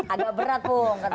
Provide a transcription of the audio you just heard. agak berat opung katanya